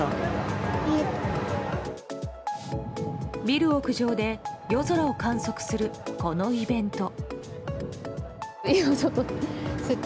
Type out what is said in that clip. ビル屋上で夜空を観測するこのイベント。